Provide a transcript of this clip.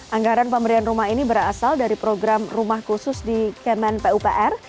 anggaran pemberian rumah ini berasal dari program rumah khusus di kemen pupr